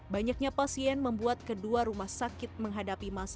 banyaknya pasien membuat kedua rumah sakit menghadapi masalah covid sembilan belas